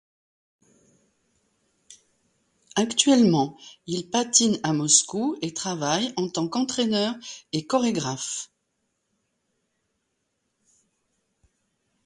Actuellement il patine à Moscou et travaille en tant qu'entraîneur et chorégraphe.